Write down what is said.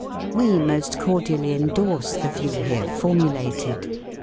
We most cordially endorse the view here formulated.